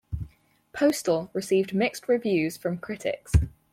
"Postal" received mixed reviews from critics.